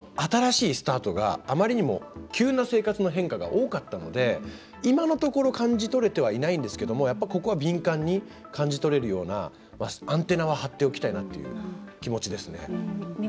大学生になって彼にとっての新しいスタートがあまりにも急な生活の変化が多かったので、今のところ感じ取れてはいないんですけどもここは敏感に感じ取れるようなアンテナは張っておきたいなという気持ちですね。